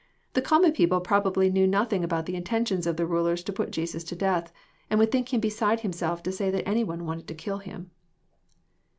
The common Dfiople probably knew nothing about the intention of the rulei'slo put Jesus to death, and would think Him beside himself to say that any one wanted to kill Him.